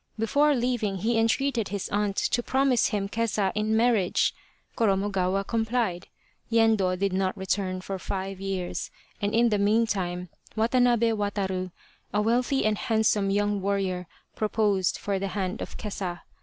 Before leaving he entreated his aunt to promise him Kesa in marriage. Koromogawa complied. Yendo did not return for five years, and in the meantime, Watanabe Wataru, a wealthy and handsome young warrior, proposed for the hand of Kesa.